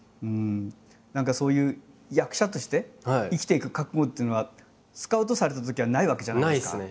何かそういう役者として生きていく覚悟っていうのはスカウトされたときはないですね。